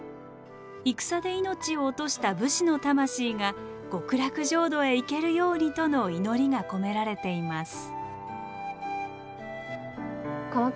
戦で命を落とした武士の魂が極楽浄土へ行けるようにとの祈りが込められています。